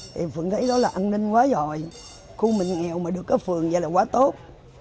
thì vẫn thấy đó là an ninh quá giỏi khu mình nghèo mà được ở phường vậy là quá tốt